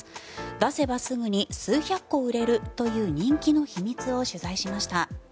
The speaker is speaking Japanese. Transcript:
出せばすぐに数百個売れるという人気の秘密を取材しました。